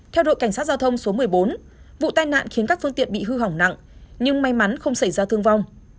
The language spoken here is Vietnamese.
theo đội cảnh sát giao thông số một mươi bốn vụ tai nạn khiến các phương tiện bị hư hỏng nặng nhưng may mắn không xảy ra thương vong